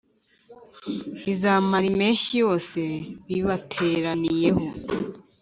bizamara impeshyi yose bibateraniyeho